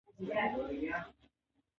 د ګټې ټکر باید افشا شي.